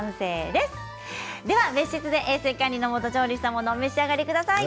では別室で衛生管理のもと調理したものをお召し上がりください。